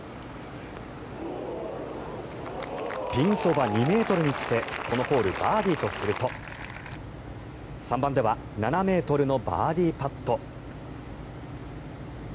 ピンそば２ｍにつけこのホール、バーディーとすると３番では７ｍのバーディーパット。